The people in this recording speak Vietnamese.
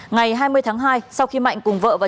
ngày hai mươi tháng hai sau khi mạnh cùng vợ và cháu bé vệnh